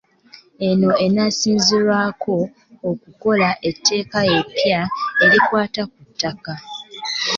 Eno enaasinzirwako okukola etteeka eppya erikwata ku ttaka.